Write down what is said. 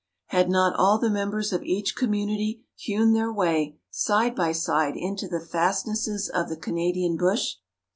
Had not all the members of each community hewn their way side by side into the fastnesses of the Canadian bush?